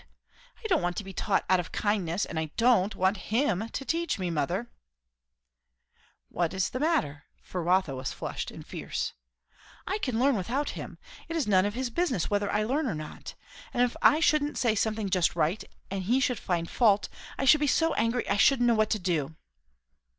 I don't want to be taught out of kindness; and I don't want him to teach me, mother!" "What's the matter?" for Rotha was flushed and fierce. "I can learn without him. It is none of his business, whether I learn or not. And if I shouldn't say something just right, and he should find fault, I should be so angry I shouldn't know what to do!"